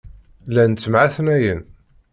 Llan ttemɛetnayen.